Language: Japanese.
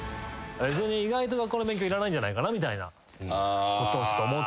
意外と学校の勉強いらないんじゃないかなみたいなことを思ってて。